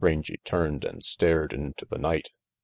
Rangy turned and stared into the night.